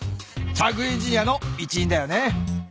チャグ・エンジニアの一員だよね。